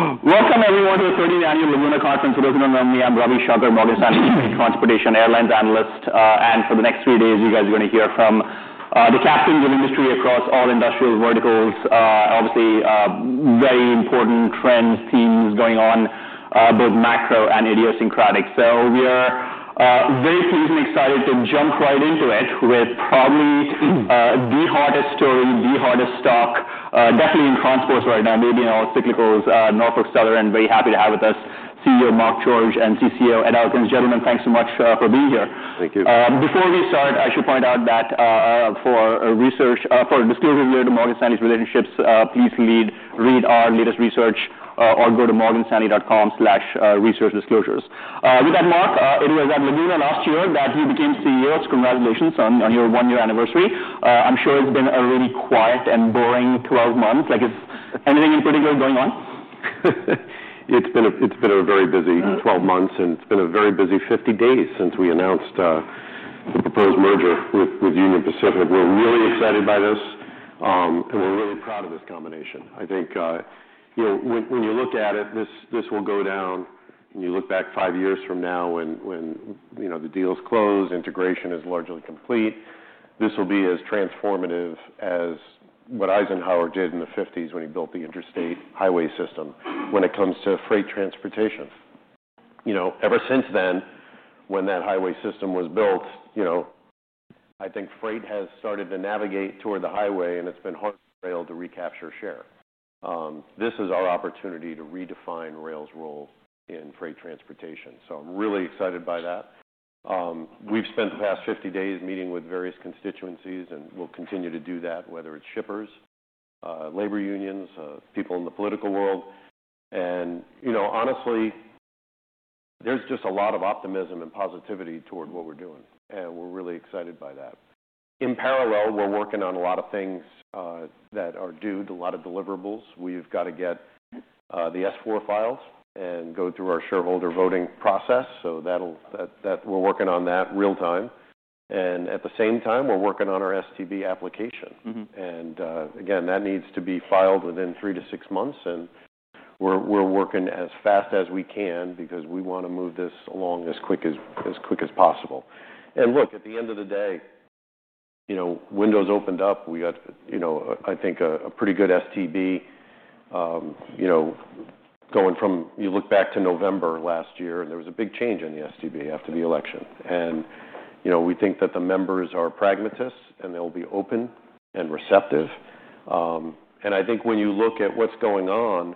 Welcome, everyone, to the 13th Annual Laguna Conference. I'm your producer and alumni. I'm Ravi Sharker-Moggessan, Eastern Conspiration Airlines Analyst. For the next three days, you guys are going to hear from the capstone industry across all industrial verticals. Obviously, very important trends, themes going on, both macro and idiosyncratic. We are very pleased and excited to jump right into it with probably the hottest story, the hottest talk, definitely in con sports right now, maybe in all cyclicals, Norfolk Southern. I'm very happy to have with us CEO Mark George and CCO Ed Elkins. Gentlemen, thanks so much for being here. Thank you. Before we start, I should point out that for disclaimer here to Morgan Stanley's relationships, please read our latest research on go to morganstanley.com/researchdisclosures. With that, Mark, it was at Laguna last year that you became CEO. Congratulations on your one-year anniversary. I'm sure it's been a really quiet and boring 12 months. Like, is anything in particular going on? It's been a very busy 12 months, and it's been a very busy 50 days since we announced the proposed merger with Union Pacific. We're really excited by this, and we're really proud of this combination. I think, you know, when you look at it, this will go down. When you look back five years from now, when the deal is closed, integration is largely complete, this will be as transformative as what Eisenhower did in the 1950s when he built the interstate highway system when it comes to freight transportation. Ever since then, when that highway system was built, I think freight has started to navigate toward the highway, and it's been hard for rail to recapture share. This is our opportunity to redefine rail's role in freight transportation. I'm really excited by that. We've spent the past 50 days meeting with various constituencies, and we'll continue to do that, whether it's shippers, labor unions, people in the political world. Honestly, there's just a lot of optimism and positivity toward what we're doing, and we're really excited by that. In parallel, we're working on a lot of things that are due, a lot of deliverables. We've got to get the S-4 files and go through our shareholder voting process. We're working on that real time. At the same time, we're working on our STB application. That needs to be filed within three to six months. We're working as fast as we can because we want to move this along as quick as possible. At the end of the day, windows opened up. We got, I think, a pretty good STB, going from, you look back to November last year, and there was a big change in the STB after the election. We think that the members are pragmatists, and they'll be open and receptive. I think when you look at what's going on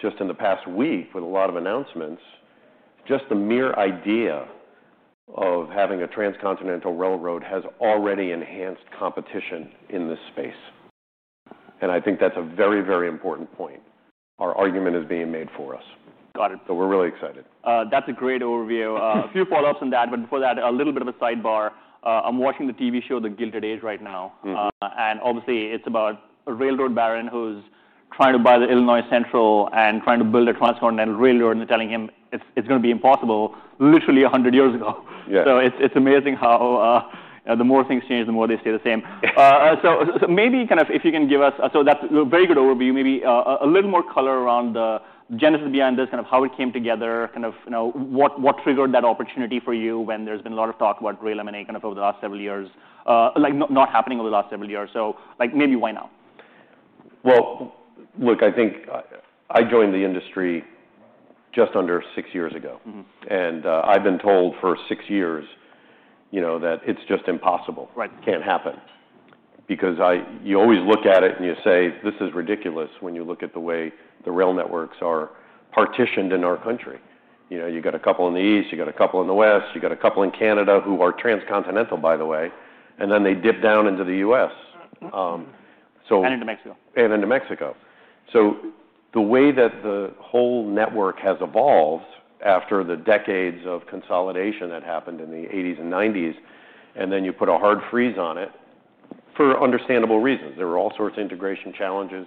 just in the past week with a lot of announcements, just the mere idea of having a transcontinental railroad has already enhanced competition in this space. I think that's a very, very important point. Our argument is being made for us. Got it. We are really excited. That's a great overview. A few follow-ups on that. Before that, a little bit of a sidebar. I'm watching the TV show, The Gilded Age, right now. Obviously, it's about a railroad baron who's trying to buy the Illinois Central and trying to build a transcontinental railroad. They're telling him it's going to be impossible, literally 100 years ago. It's amazing how the more things change, the more they stay the same. Maybe if you can give us, that's a very good overview, maybe a little more color around the genesis behind this, how it came together, what triggered that opportunity for you when there's been a lot of talk about Graylem and A over the last several years, like not happening over the last several years. Maybe why now? I think I joined the industry just under six years ago. I've been told for six years, you know, that it's just impossible. Right. Can't happen. Because you always look at it and you say, this is ridiculous when you look at the way the rail networks are partitioned in our country. You know, you got a couple in the East, you got a couple in the West, you got a couple in Canada who are transcontinental, by the way. They dip down into the U.S. into Mexico. Into Mexico. The way that the whole network has evolved after the decades of consolidation that happened in the 1980s and 1990s, you put a hard freeze on it for understandable reasons. There were all sorts of integration challenges.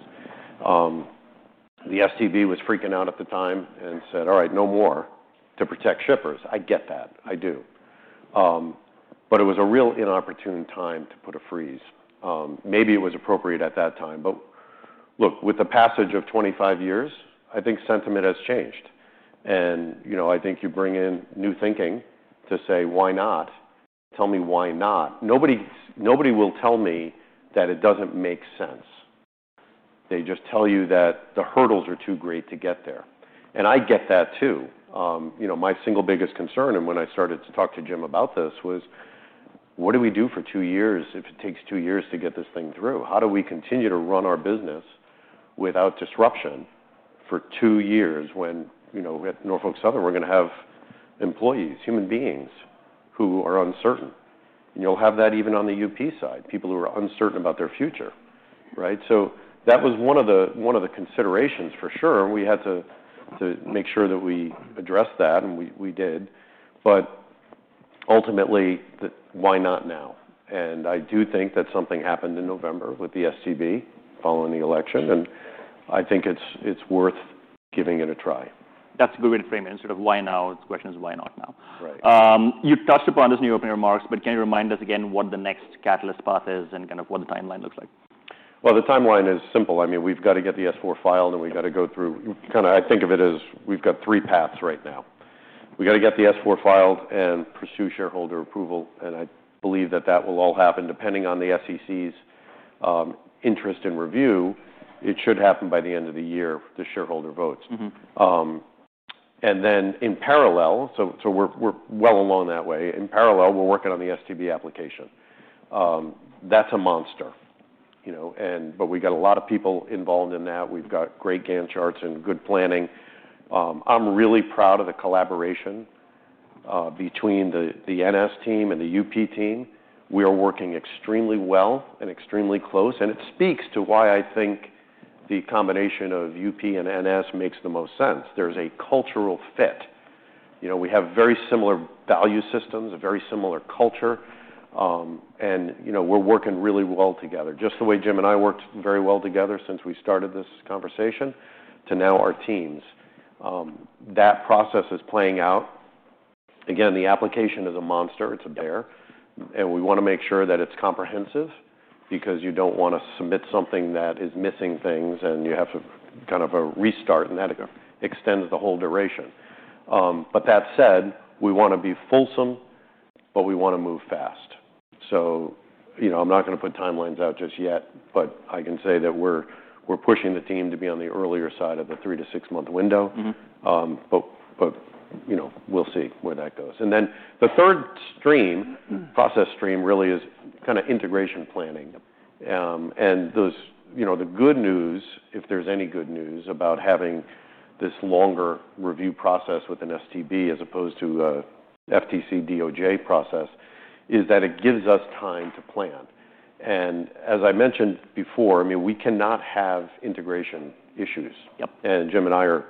The Surface Transportation Board was freaking out at the time and said, all right, no more to protect shippers. I get that. I do. It was a real inopportune time to put a freeze. Maybe it was appropriate at that time. With the passage of 25 years, I think sentiment has changed. I think you bring in new thinking to say, why not? Tell me why not. Nobody will tell me that it doesn't make sense. They just tell you that the hurdles are too great to get there. I get that too. My single biggest concern, and when I started to talk to Jim about this, was what do we do for two years if it takes two years to get this thing through? How do we continue to run our business without disruption for two years when, at Norfolk Southern, we're going to have employees, human beings who are uncertain? You'll have that even on the Union Pacific side, people who are uncertain about their future, right? That was one of the considerations for sure. We had to make sure that we addressed that, and we did. Ultimately, why not now? I do think that something happened in November with the Surface Transportation Board following the election. I think it's worth giving it a try. That's a good way to frame it. It's sort of why now? It's a question of why not now. Right. You touched upon this in your opening remarks, but can you remind us again what the next catalyst path is and what the timeline looks like? The timeline is simple. I mean, we've got to get the S-4 filed, and we've got to go through, kind of, I think of it as we've got three paths right now. We've got to get the S-4 filed and pursue shareholder approval. I believe that that will all happen depending on the SEC's interest in review. It should happen by the end of the year if the shareholder votes. In parallel, we're well along that way. In parallel, we're working on the STB application. That's a monster, you know, but we've got a lot of people involved in that. We've got great Gantt charts and good planning. I'm really proud of the collaboration between the NS team and the UP team. We are working extremely well and extremely close. It speaks to why I think the combination of UP and NS makes the most sense. There's a cultural fit. We have very similar value systems, a very similar culture. We're working really well together, just the way Jim and I worked very well together since we started this conversation to now our teams. That process is playing out. Again, the application is a monster. It's a bear. We want to make sure that it's comprehensive because you don't want to submit something that is missing things, and you have to kind of restart. That extends the whole duration. That said, we want to be fulsome, but we want to move fast. I'm not going to put timelines out just yet, but I can say that we're pushing the team to be on the earlier side of the three to six-month window. We'll see where that goes. The third stream, process stream, really is kind of integration planning. The good news, if there's any good news about having this longer review process with an STB as opposed to an FTC-DOJ process, is that it gives us time to plan. As I mentioned before, I mean, we cannot have integration issues. Jim and I are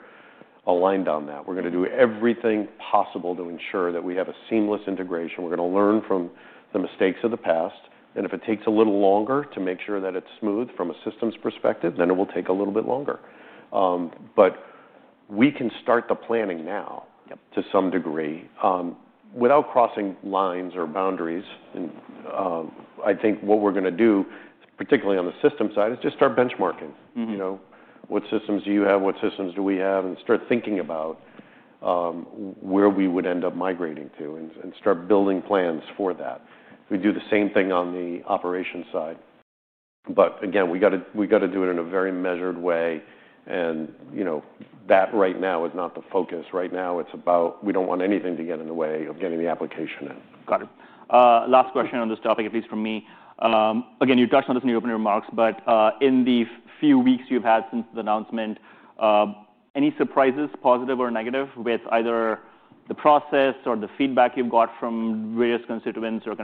aligned on that. We're going to do everything possible to ensure that we have a seamless integration. We're going to learn from the mistakes of the past. If it takes a little longer to make sure that it's smooth from a systems perspective, then it will take a little bit longer. We can start the planning now to some degree without crossing lines or boundaries. I think what we're going to do, particularly on the system side, is just start benchmarking. What systems do you have? What systems do we have? We start thinking about where we would end up migrating to and start building plans for that. We do the same thing on the operations side. Again, we got to do it in a very measured way. Right now, that is not the focus. Right now, it's about we don't want anything to get in the way of getting the application in. Got it. Last question on this topic, at least for me. You touched on this in your opening remarks. In the few weeks you've had since the announcement, any surprises, positive or negative, with either the process or the feedback you've got from various constituents, or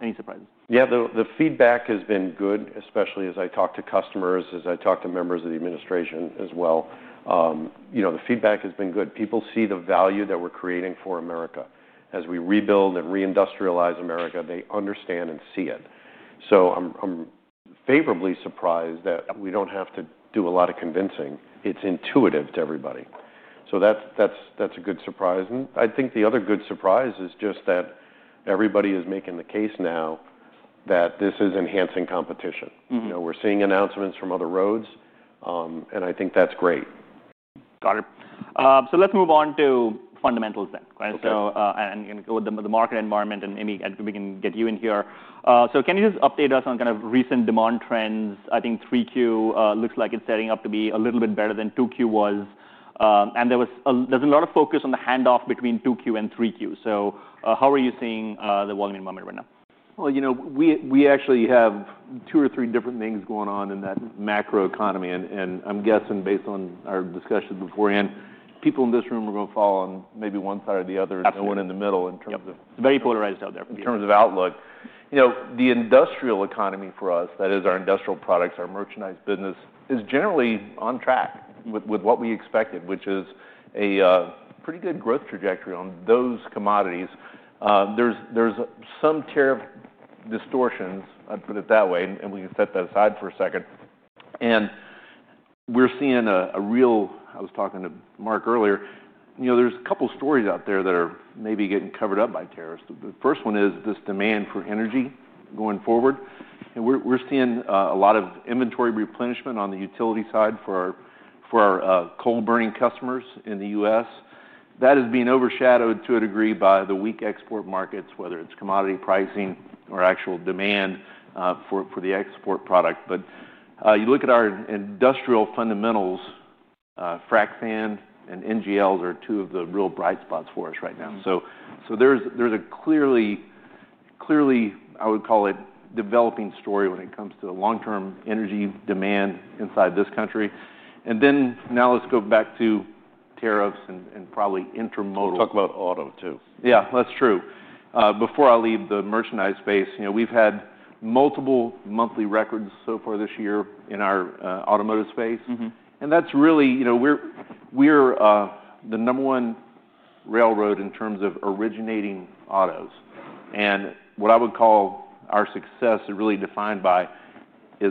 any surprise? Yeah, the feedback has been good, especially as I talk to customers, as I talk to members of the administration as well. The feedback has been good. People see the value that we're creating for America. As we rebuild and reindustrialize America, they understand and see it. I'm favorably surprised that we don't have to do a lot of convincing. It's intuitive to everybody. That's a good surprise. I think the other good surprise is just that everybody is making the case now that this is enhancing competition. We're seeing announcements from other roads. I think that's great. Got it. Let's move on to fundamentals then. With the market environment, Amy, we can get you in here. Can you just update us on kind of recent demand trends? I think 3Q looks like it's setting up to be a little bit better than 2Q was. There's a lot of focus on the handoff between 2Q and 3Q. How are you seeing the volume environment right now? You know, we actually have two or three different things going on in that macro economy. I'm guessing, based on our discussion beforehand, people in this room are going to fall on maybe one side or the other, no one in the middle in terms of. It's very polarized out there. In terms of outlook, the industrial economy for us, that is our industrial products, our merchandise business, is generally on track with what we expected, which is a pretty good growth trajectory on those commodities. There are some tariff distortions, I'd put it that way. We can set that aside for a second. We're seeing a real, I was talking to Mark earlier, there are a couple of stories out there that are maybe getting covered up by tariffs. The first one is this demand for energy going forward. We're seeing a lot of inventory replenishment on the utility side for our coal-burning customers in the U.S. That is being overshadowed to a degree by the weak export markets, whether it's commodity pricing or actual demand for the export product. You look at our industrial fundamentals, frac sand and NGLs are two of the real bright spots for us right now. There is clearly, I would call it, a developing story when it comes to long-term energy demand inside this country. Now let's go back to tariffs and probably intermodal. Talk about automotive segments, too. Yeah, that's true. Before I leave the merchandise space, we've had multiple monthly records so far this year in our automotive segments. That's really, you know, we're the number one railroad in terms of originating autos. What I would call our success is really defined by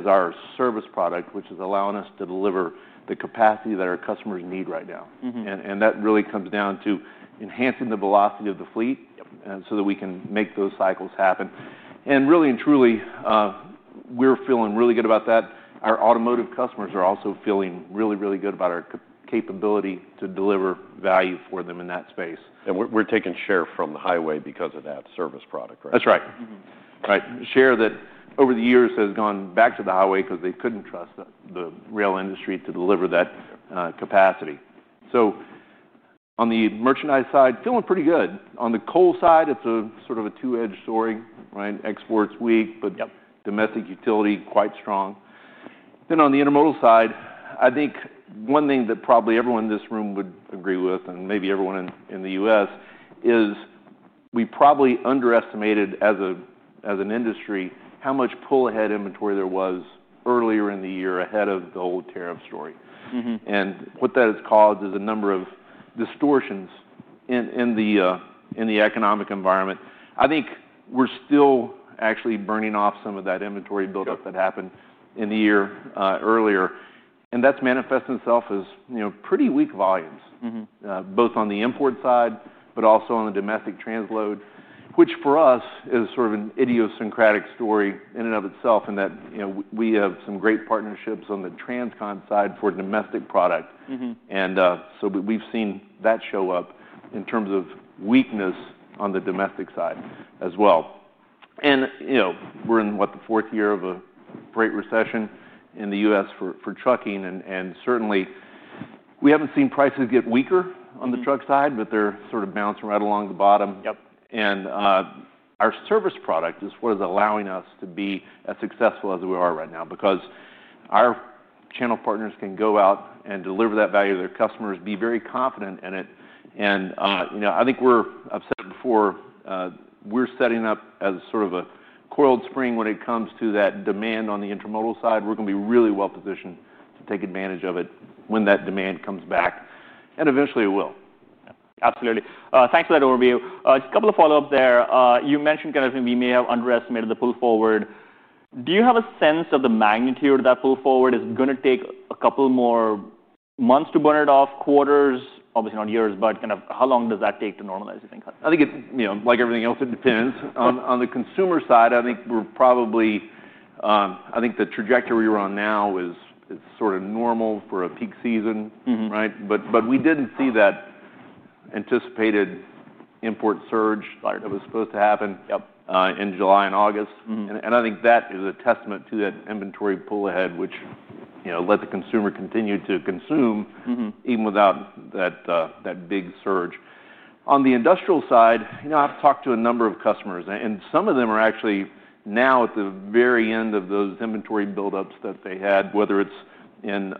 our service product, which is allowing us to deliver the capacity that our customers need right now. That really comes down to enhancing the velocity of the fleet so that we can make those cycles happen. Really and truly, we're feeling really good about that. Our automotive customers are also feeling really, really good about our capability to deliver value for them in that space. We're taking share from the highway because of that service product, right? That's right. Right. Share that over the years has gone back to the highway because they couldn't trust the rail industry to deliver that capacity. On the merchandise side, feeling pretty good. On the coal side, it's sort of a two-edged sword. Exports weak, but domestic utility quite strong. On the intermodal side, I think one thing that probably everyone in this room would agree with, and maybe everyone in the U.S., is we probably underestimated as an industry how much pull-ahead inventory there was earlier in the year ahead of the whole tariff story. What that has caused is a number of distortions in the economic environment. I think we're still actually burning off some of that inventory buildup that happened in the year earlier. That's manifested itself as pretty weak volumes, both on the import side, but also on the domestic transload, which for us is sort of an idiosyncratic story in and of itself in that we have some great partnerships on the transcontinental side for domestic product. We've seen that show up in terms of weakness on the domestic side as well. We're in, what, the fourth year of a great recession in the U.S. for trucking. Certainly, we haven't seen prices get weaker on the truck side, but they're sort of bouncing right along the bottom. Our service product is what is allowing us to be as successful as we are right now because our channel partners can go out and deliver that value to their customers, be very confident in it. I think we're, I've said it before, we're setting up as sort of a coiled spring when it comes to that demand on the intermodal side. We're going to be really well positioned to take advantage of it when that demand comes back. Eventually, it will. Absolutely. Thanks for that overview. Just a couple of follow-ups there. You mentioned kind of we may have underestimated the pull forward. Do you have a sense of the magnitude of that pull forward? Is it going to take a couple more months to burn it off, quarters? Obviously, not years, but kind of how long does that take to normalize, you think? I think it's, you know, like everything else, it depends. On the consumer side, I think we're probably, I think the trajectory we're on now is sort of normal for a peak season, right? We didn't see that anticipated import surge that was supposed to happen in July and August. I think that is a testament to that inventory pull-ahead, which, you know, let the consumer continue to consume even without that big surge. On the industrial side, I've talked to a number of customers, and some of them are actually now at the very end of those inventory buildups that they had, whether it's in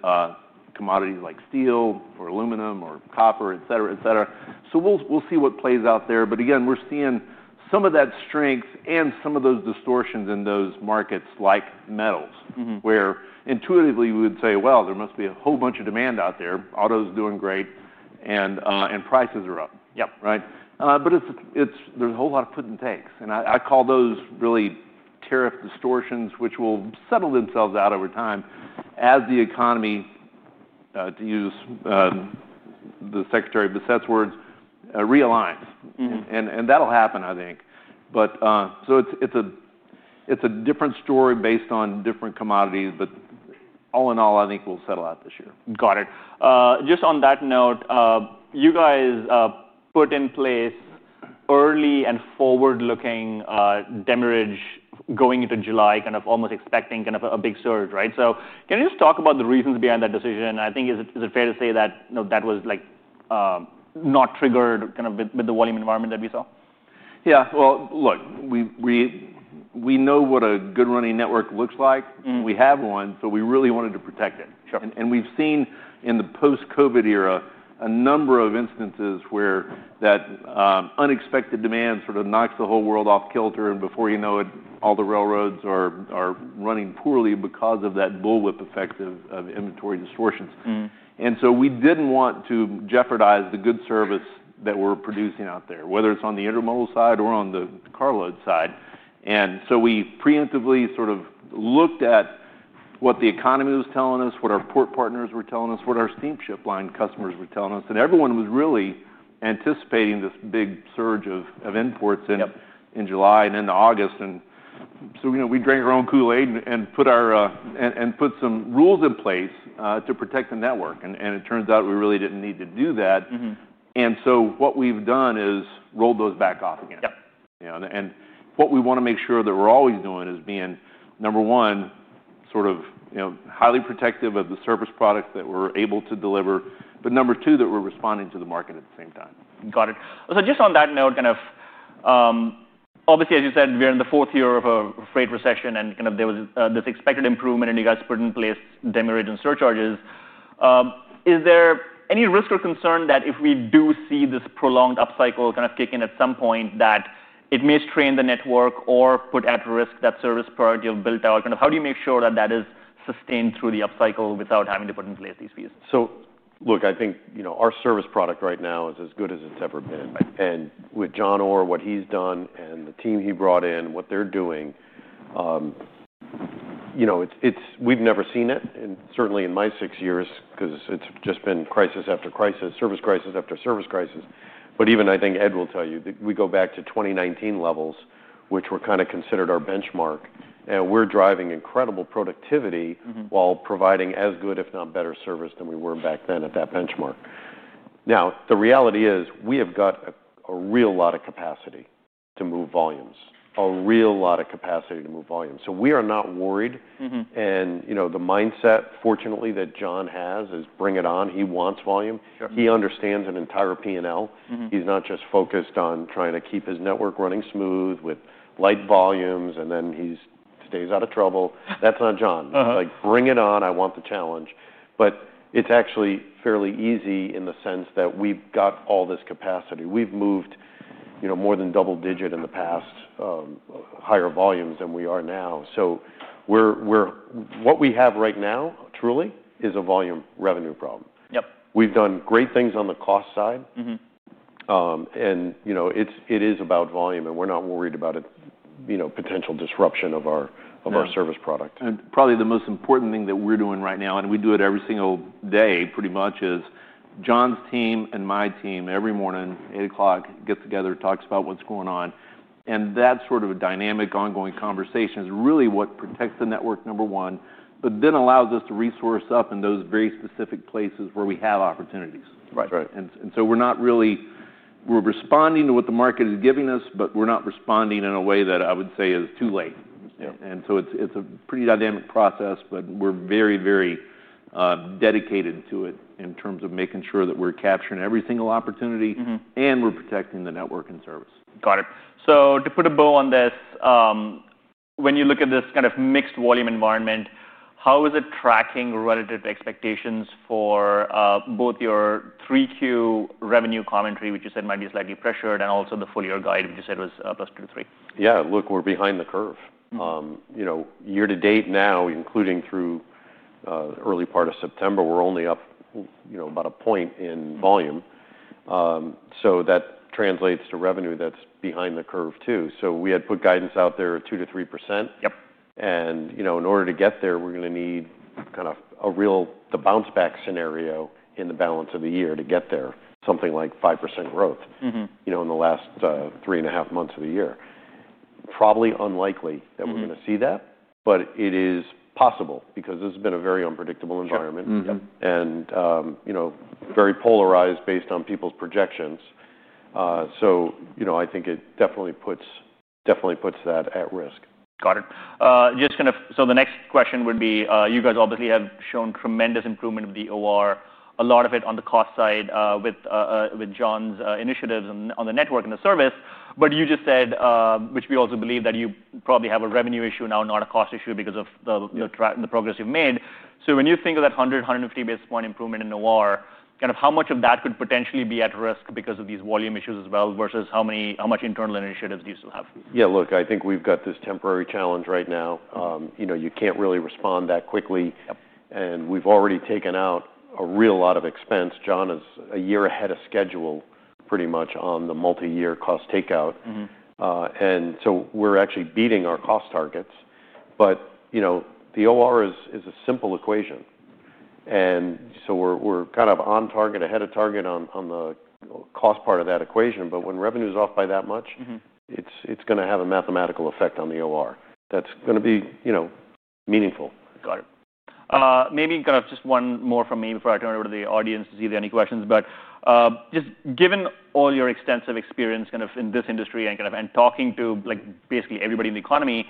commodities like steel or aluminum or copper, et cetera, et cetera. We'll see what plays out there. Again, we're seeing some of that strength and some of those distortions in those markets like metals, where intuitively we would say, there must be a whole bunch of demand out there. Auto's doing great, and prices are up. Yep. Right. There's a whole lot of puts and takes. I call those really tariff distortions, which will settle themselves out over time as the economy, to use Secretary Bessette's words, realigns. That'll happen, I think. It's a different story based on different commodities, but all in all, I think we'll settle out this year. Got it. Just on that note, you guys put in place early and forward-looking demurrage going into July, kind of almost expecting kind of a big surge, right? Can you just talk about the reasons behind that decision? I think is it fair to say that that was like not triggered kind of with the volume environment that we saw? Yeah, look, we know what a good running network looks like. We have one, so we really wanted to protect it. We've seen in the post-COVID era a number of instances where that unexpected demand sort of knocks the whole world off-kilter. Before you know it, all the railroads are running poorly because of that bullwhip effect of inventory distortions. We didn't want to jeopardize the good service that we're producing out there, whether it's on the intermodal side or on the carload side. We preemptively sort of looked at what the economy was telling us, what our port partners were telling us, what our steamship line customers were telling us. Everyone was really anticipating this big surge of imports in July and in August. You know, we drank our own Kool-Aid and put some rules in place to protect the network. It turns out we really didn't need to do that. What we've done is rolled those back off again. Yep. What we want to make sure that we're always doing is being, number one, highly protective of the service products that we're able to deliver. Number two, that we're responding to the market at the same time. Got it. Just on that note, obviously, as you said, we're in the fourth year of a freight recession. There was this expected improvement, and you guys put in place demurrage and surcharges. Is there any risk or concern that if we do see this prolonged upcycle kick in at some point, it may strain the network or put at risk that service priority of build out? How do you make sure that is sustained through the upcycle without having to put in place these fees? I think our service product right now is as good as it's ever been. With John Orr, what he's done and the team he brought in, what they're doing, we've never seen it. Certainly in my six years, because it's just been crisis after crisis, service crisis after service crisis. I think Ed will tell you that we go back to 2019 levels, which were kind of considered our benchmark. We're driving incredible productivity while providing as good, if not better, service than we were back then at that benchmark. The reality is we have got a real lot of capacity to move volumes, a real lot of capacity to move volumes. We are not worried. The mindset, fortunately, that John has is bring it on. He wants volume. He understands an entire P&L. He's not just focused on trying to keep his network running smooth with light volumes, and then he stays out of trouble. That's not John. Bring it on. I want the challenge. It's actually fairly easy in the sense that we've got all this capacity. We've moved more than double digit in the past, higher volumes than we are now. What we have right now, truly, is a volume revenue problem. Yep. We've done great things on the cost side. It is about volume, and we're not worried about it, you know, potential disruption of our service product. Probably the most important thing that we're doing right now, and we do it every single day, pretty much, is John's team and my team every morning at 8:00 A.M. get together, talk about what's going on. That sort of a dynamic, ongoing conversation is really what protects the network, number one, but then allows us to resource up in those very specific places where we have opportunities. Right. We're not really responding to what the market is giving us, but we're not responding in a way that I would say is too late. Yeah. It is a pretty dynamic process, but we're very, very dedicated to it in terms of making sure that we're capturing every single opportunity and we're protecting the network and service. Got it. To put a bow on this, when you look at this kind of mixed volume environment, how is it tracking relative to expectations for both your 3Q revenue commentary, which you said might be slightly pressured, and also the full year guide, which you said was plus 2 to 3%? Yeah, look, we're behind the curve. You know, year to date now, including through the early part of September, we're only up, you know, about a point in volume. That translates to revenue that's behind the curve, too. We had put guidance out there of 2% to 3%. Yep. In order to get there, we're going to need kind of a real bounce-back scenario in the balance of the year to get there, something like 5% growth in the last three and a half months of the year. Probably unlikely that we're going to see that, but it is possible because this has been a very unpredictable environment and very polarized based on people's projections. I think it definitely puts that at risk. Got it. The next question would be, you guys obviously have shown tremendous improvement with the OR, a lot of it on the cost side with John Orr's initiatives on the network and the service. You just said, which we also believe, that you probably have a revenue issue now, not a cost issue because of the progress you've made. When you think of that 100, 150 basis point improvement in OR, how much of that could potentially be at risk because of these volume issues as well versus how much internal initiatives do you still have? Yeah, look, I think we've got this temporary challenge right now. You know, you can't really respond that quickly. We've already taken out a real lot of expense. John is a year ahead of schedule, pretty much on the multi-year cost takeout, and we're actually beating our cost targets. The OR is a simple equation, and we're kind of on target, ahead of target on the cost part of that equation. When revenue is off by that much, it's going to have a mathematical effect on the OR that's going to be meaningful. Got it. Maybe just one more from me before I turn it over to the audience to see if there are any questions. Just given all your extensive experience in this industry and talking to basically everybody in the economy,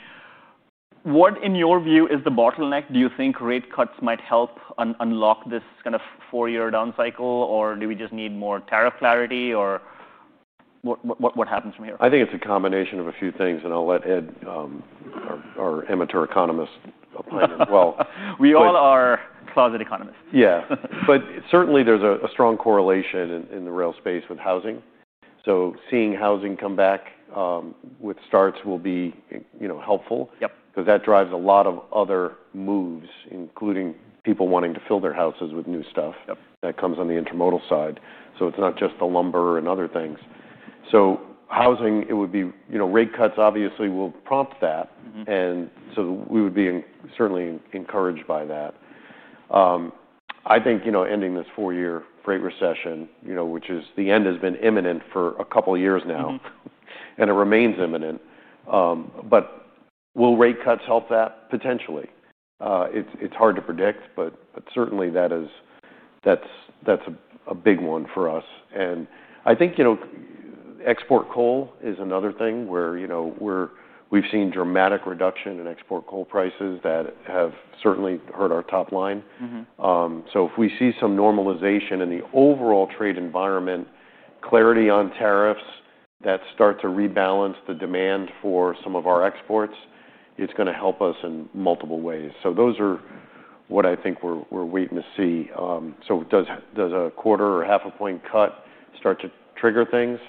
what in your view is the bottleneck? Do you think rate cuts might help unlock this four-year down cycle? Do we just need more tariff clarity? What happens from here? I think it's a combination of a few things. I'll let Ed, our amateur economist, apply it as well. We all are closet economists. Certainly, there's a strong correlation in the rail space with housing. Seeing housing come back with starts will be helpful because that drives a lot of other moves, including people wanting to fill their houses with new stuff that comes on the intermodal side. It's not just the lumber and other things. Housing, it would be, you know, rate cuts obviously will prompt that. We would be certainly encouraged by that. I think ending this four-year freight recession, which is the end has been imminent for a couple of years now, and it remains imminent. Will rate cuts help that? Potentially. It's hard to predict. Certainly, that's a big one for us. I think export coal is another thing where we've seen dramatic reduction in export coal prices that have certainly hurt our top line. If we see some normalization in the overall trade environment, clarity on tariffs that start to rebalance the demand for some of our exports, it's going to help us in multiple ways. Those are what I think we're waiting to see. Does a quarter or half a point cut start to trigger things?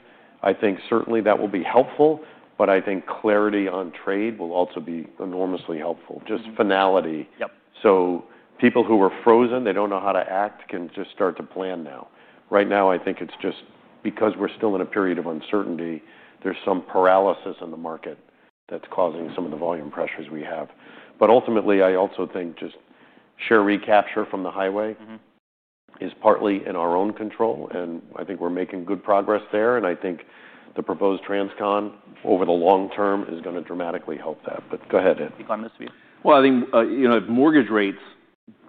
I think certainly that will be helpful. I think clarity on trade will also be enormously helpful, just finality. Yep. People who were frozen, they don't know how to act, can just start to plan now. Right now, I think it's just because we're still in a period of uncertainty, there's some paralysis in the market that's causing some of the volume pressures we have. Ultimately, I also think just share recapture from the highway is partly in our own control. I think we're making good progress there. I think the proposed transcontinental network, over the long term, is going to dramatically help that. Go ahead, Ed. Economist view. I think, you know, if mortgage rates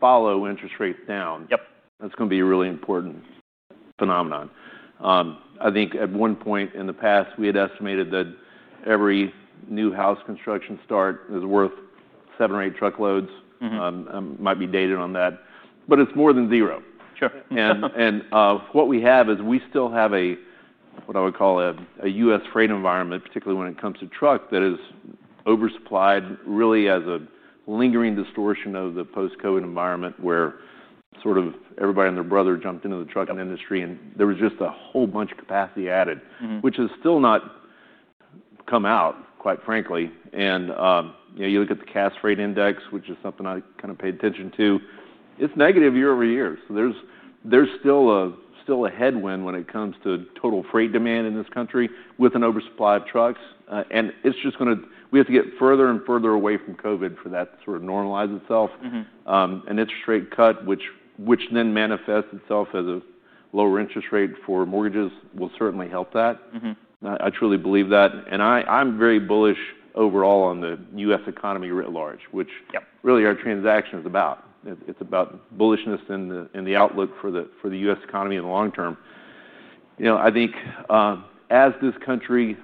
follow interest rates down, that's going to be a really important phenomenon. I think at one point in the past, we had estimated that every new house construction start is worth seven or eight truckloads. I might be dated on that, but it's more than zero. Sure. What we have is we still have a, what I would call a U.S. freight environment, particularly when it comes to truck, that is oversupplied really as a lingering distortion of the post-COVID environment where sort of everybody and their brother jumped into the trucking industry. There was just a whole bunch of capacity added, which has still not come out, quite frankly. You look at the CAS freight index, which is something I kind of paid attention to. It's negative year over year. There's still a headwind when it comes to total freight demand in this country with an oversupply of trucks. It's just going to, we have to get further and further away from COVID for that to sort of normalize itself. An interest rate cut, which then manifests itself as a lower interest rate for mortgages, will certainly help that. I truly believe that. I'm very bullish overall on the U.S. economy writ large, which really our transaction is about. It's about bullishness in the outlook for the U.S. economy in the long term. I think as this country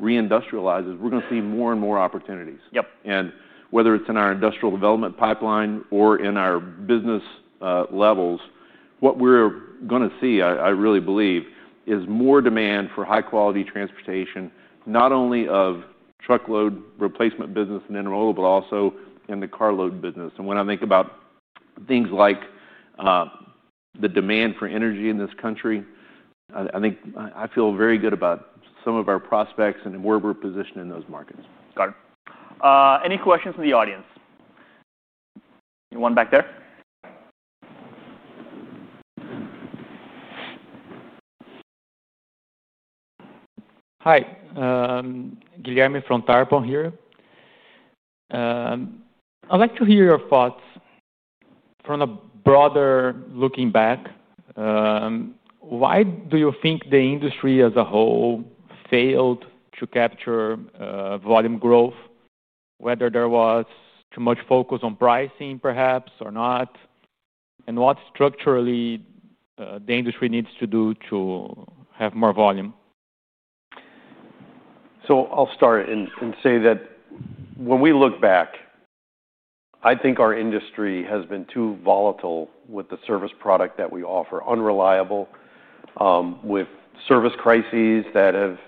reindustrializes, we're going to see more and more opportunities. Yep. Whether it's in our industrial development pipeline or in our business levels, what we're going to see, I really believe, is more demand for high-quality transportation, not only of truckload replacement business in intermodal, but also in the carload business. When I think about things like the demand for energy in this country, I think I feel very good about some of our prospects and where we're positioned in those markets. Got it. Any questions from the audience? Anyone back there? Hi. Guilherme from Tarpon here. I'd like to hear your thoughts from a broader looking back. Why do you think the industry as a whole failed to capture volume growth, whether there was too much focus on pricing perhaps or not? What structurally the industry needs to do to have more volume? I will start and say that when we look back, I think our industry has been too volatile with the service product that we offer, unreliable, with service crises that have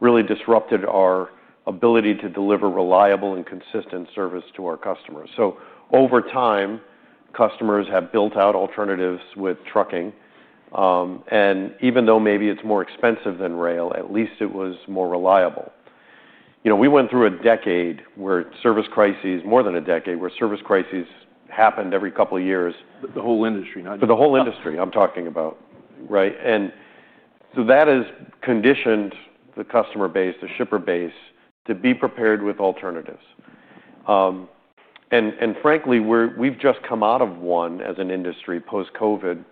really disrupted our ability to deliver reliable and consistent service to our customers. Over time, customers have built out alternatives with trucking. Even though maybe it's more expensive than rail, at least it was more reliable. We went through a decade where service crises, more than a decade, where service crises happened every couple of years. The whole industry, not just. For the whole industry, I'm talking about, right? That has conditioned the customer base, the shipper base, to be prepared with alternatives. Frankly, we've just come out of one as an industry post-COVID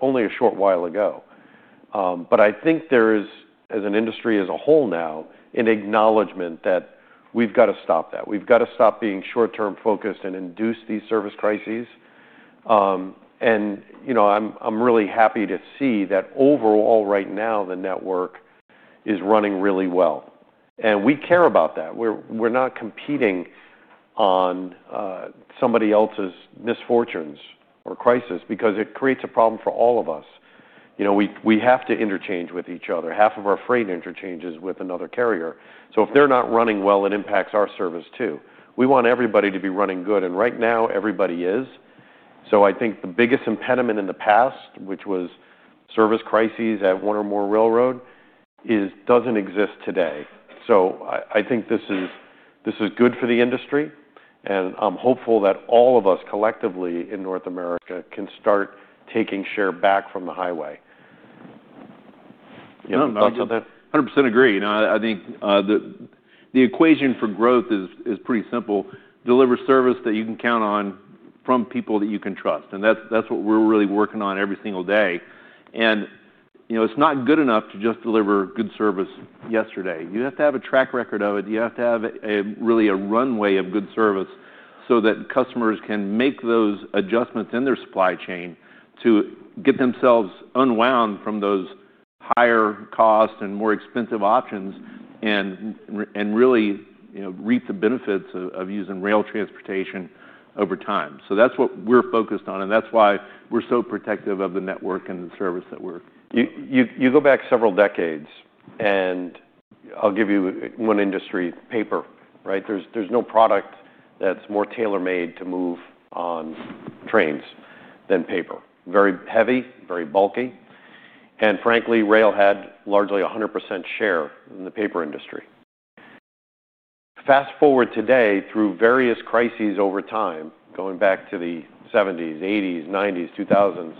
only a short while ago. I think there is, as an industry as a whole now, an acknowledgment that we've got to stop that. We've got to stop being short-term focused and induce these service crises. You know, I'm really happy to see that overall right now, the network is running really well. We care about that. We're not competing on somebody else's misfortunes or crises because it creates a problem for all of us. You know, we have to interchange with each other. Half of our freight interchanges with another carrier. If they're not running well, it impacts our service too. We want everybody to be running good. Right now, everybody is. I think the biggest impediment in the past, which was service crises at one or more railroads, doesn't exist today. I think this is good for the industry. I'm hopeful that all of us collectively in North America can start taking share back from the highway. Yeah, I 100% agree. I think the equation for growth is pretty simple. Deliver service that you can count on from people that you can trust. That's what we're really working on every single day. It's not good enough to just deliver good service yesterday. You have to have a track record of it. You have to have really a runway of good service so that customers can make those adjustments in their supply chain to get themselves unwound from those higher cost and more expensive options and really reap the benefits of using rail transportation over time. That's what we're focused on. That's why we're so protective of the network and the service that. You go back several decades, and I'll give you one industry, paper, right? There's no product that's more tailor-made to move on trains than paper. Very heavy, very bulky. Frankly, rail had largely 100% share in the paper industry. Fast forward today through various crises over time, going back to the 1970s, 1980s, 1990s, 2000s,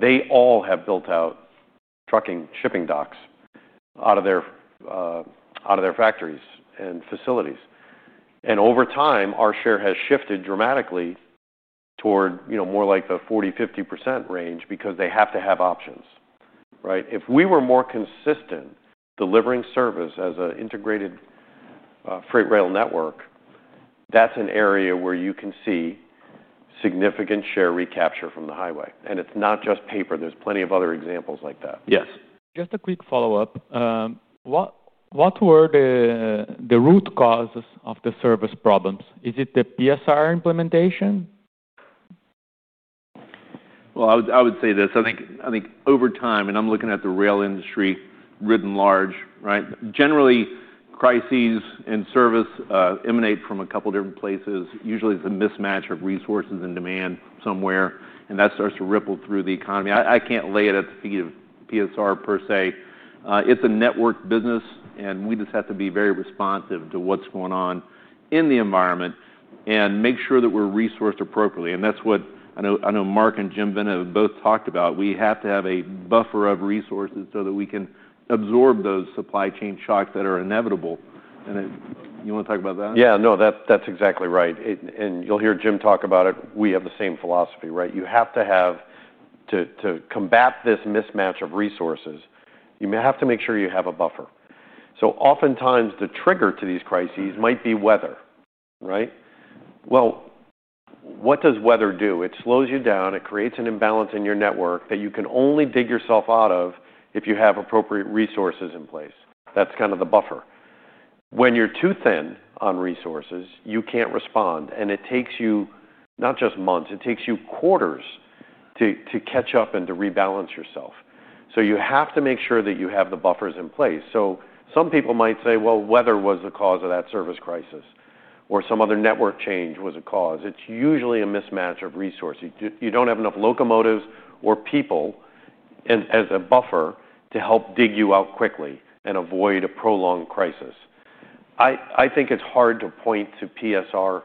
they all have built out trucking shipping docks out of their factories and facilities. Over time, our share has shifted dramatically toward, you know, more like the 40%, 50% range because they have to have options, right? If we were more consistent delivering service as an integrated freight rail network, that's an area where you can see significant share recapture from the highway. It's not just paper. There's plenty of other examples like that. Yes. Just a quick follow-up. What were the root causes of the service problems? Is it the PSR implementation? I would say this. I think over time, and I'm looking at the rail industry writ large, right? Generally, crises in service emanate from a couple of different places. Usually, it's a mismatch of resources and demand somewhere. That starts to ripple through the economy. I can't lay it at the feet of PSR per se. It's a networked business. We just have to be very responsive to what's going on in the environment and make sure that we're resourced appropriately. That's what I know Mark and Jim Squires have both talked about. We have to have a buffer of resources so that we can absorb those supply chain shocks that are inevitable. You want to talk about that? Yeah, no, that's exactly right. You'll hear Jim talk about it. We have the same philosophy, right? You have to have, to combat this mismatch of resources, you have to make sure you have a buffer. Oftentimes, the trigger to these crises might be weather, right? What does weather do? It slows you down. It creates an imbalance in your network that you can only dig yourself out of if you have appropriate resources in place. That's kind of the buffer. When you're too thin on resources, you can't respond. It takes you not just months, it takes you quarters to catch up and to rebalance yourself. You have to make sure that you have the buffers in place. Some people might say weather was the cause of that service crisis, or some other network change was a cause. It's usually a mismatch of resources. You don't have enough locomotives or people as a buffer to help dig you out quickly and avoid a prolonged crisis. I think it's hard to point to PSR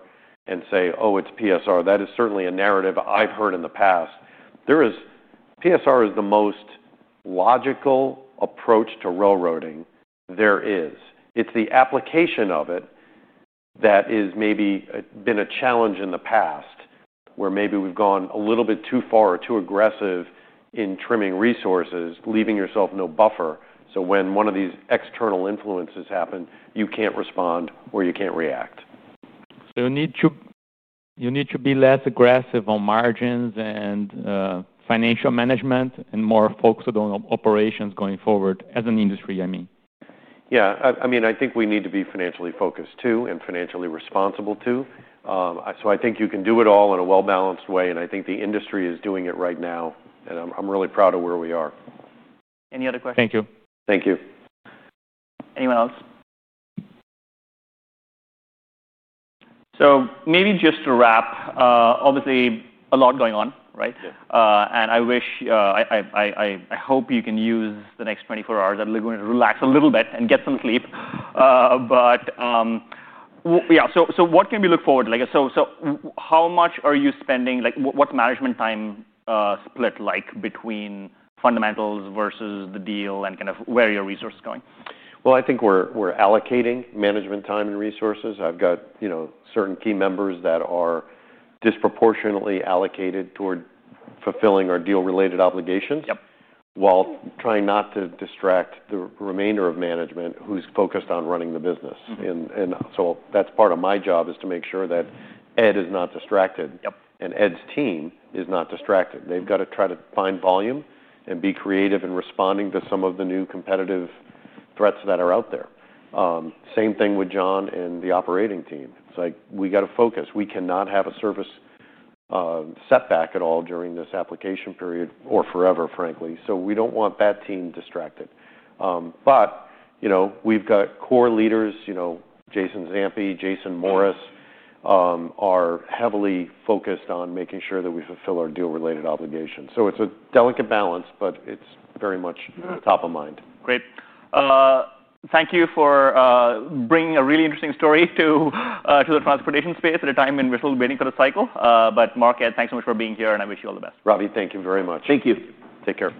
and say, oh, it's PSR. That is certainly a narrative I've heard in the past. PSR is the most logical approach to railroading there is. It's the application of it that has maybe been a challenge in the past, where maybe we've gone a little bit too far or too aggressive in trimming resources, leaving yourself no buffer. When one of these external influences happen, you can't respond or you can't react. You need to be less aggressive on margins and financial management and more focused on operations going forward as an industry, I mean. I think we need to be financially focused, too, and financially responsible, too. I think you can do it all in a well-balanced way. I think the industry is doing it right now. I'm really proud of where we are. Any other questions? Thank you. Thank you. Anyone else? Maybe just to wrap, obviously, a lot going on, right? Yeah. I hope you can use the next 24 hours, that you're going to relax a little bit and get some sleep. What can we look forward to? How much are you spending? What's management time split like between fundamentals versus the deal and kind of where your resource is going? I think we're allocating management time and resources. I've got certain key members that are disproportionately allocated toward fulfilling our deal-related obligations. Yep. While trying not to distract the remainder of management who’s focused on running the business. That’s part of my job, to make sure that Ed is not distracted. Yep. Ed Elkins' team is not distracted. They've got to try to find volume and be creative in responding to some of the new competitive threats that are out there. The same thing with John Orr and the operating team. We have to focus. We cannot have a service setback at all during this application period or forever, frankly. We don't want that team distracted. We've got core leaders, Jason Zampi and Jason Morris, who are heavily focused on making sure that we fulfill our deal-related obligations. It's a delicate balance, but it's very much top of mind. Great. Thank you for bringing a really interesting story to the transportation space at a time when we're still waiting for the cycle. Mark, Ed, thanks so much for being here. I wish you all the best. Ravi, thank you very much. Thank you. Take care.